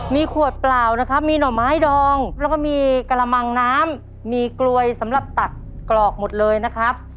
มีขวดเปล่านะครับมีหน่อไม้ดองแล้วก็มีกระมังน้ำมีกลวยสำหรับตักกรอกหมดเลยนะครับ